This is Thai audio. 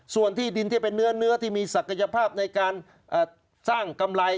ส่วนที่ดินที่เป็นเนื้อที่มีศักยภาพในการสร้างกำไร